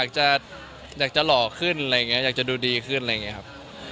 อยากจะอยากจะหล่อขึ้นอะไรอย่างนี้อยากจะดูดีขึ้นอะไรอย่างนี้ครับ